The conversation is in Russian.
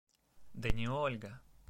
Да не Ольга!